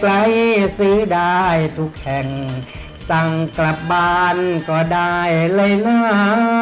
ใครซื้อได้ทุกแห่งสั่งกลับบ้านก็ได้เลยนะ